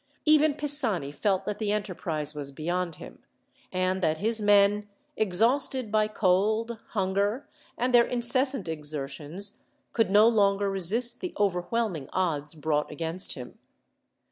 Even Pisani felt that the enterprise was beyond him, and that his men, exhausted by cold, hunger, and their incessant exertions, could no longer resist the overwhelming odds brought against him.